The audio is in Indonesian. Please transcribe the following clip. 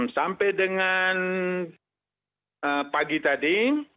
sampai dengan pagi tadi